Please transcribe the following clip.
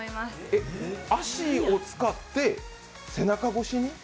えっ、足を使って背中越しに？